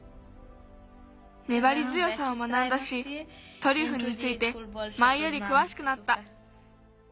ねばりづよさを学んだしトリュフについてまえよりくわしくなった。